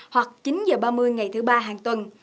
hoặc chín h ba mươi ngày thứ ba hàng tuần